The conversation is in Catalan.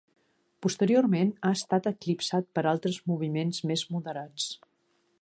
Posteriorment ha estat eclipsat per altres moviments més moderats.